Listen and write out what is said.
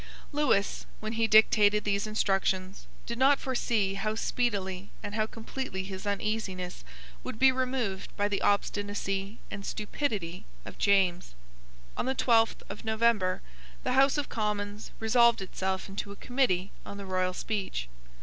Lewis, when he dictated these instructions, did not foresee how speedily and how completely his uneasiness would be removed by the obstinacy and stupidity of James. On the twelfth of November the House of Commons, resolved itself into a committee on the royal speech.